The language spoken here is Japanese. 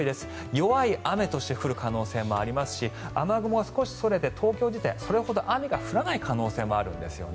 弱い雨として降る可能性もありますし雨雲が少しそれて東京、雨が降らない可能性もあるんですね。